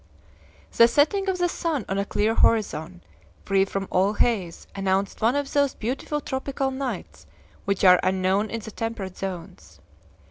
The setting of the sun on a clear horizon, free from all haze, announced one of those beautiful tropical nights which are unknown in the temperate zones.